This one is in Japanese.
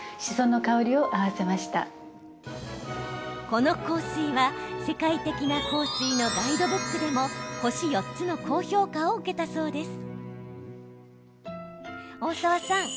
この香水は世界的な香水のガイドブックでも星４つの高評価を受けたそうです。